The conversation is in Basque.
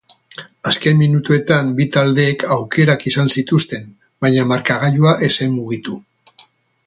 Azken minutuetan bi taldeek aukerak izan zituzten, baina markagailua ez zen mugitu.